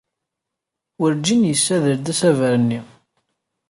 Werjin yessader-d asaber-nni.